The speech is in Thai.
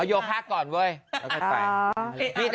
โยค้าก่อนเว้ยเดี๋ยวก็บ่าไป